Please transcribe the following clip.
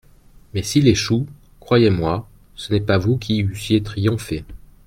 Mais s'il échoue, croyez-moi, ce n'est pas vous qui eussiez triomphé.